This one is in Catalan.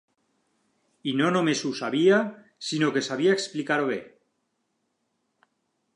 I no només ho sabia sinó que sabia explicar-ho bé.